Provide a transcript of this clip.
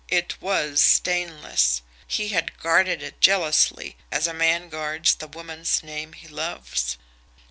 It WAS stainless! He had guarded it jealously as a man guards the woman's name he loves.